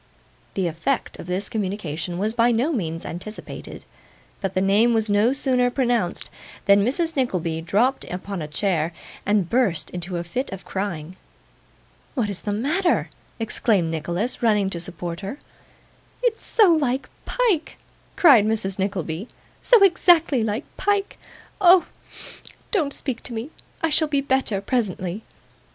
The effect of this communication was by no means anticipated; but the name was no sooner pronounced, than Mrs. Nickleby dropped upon a chair, and burst into a fit of crying. 'What is the matter?' exclaimed Nicholas, running to support her. 'It's so like Pyke,' cried Mrs. Nickleby; 'so exactly like Pyke. Oh! don't speak to me I shall be better presently.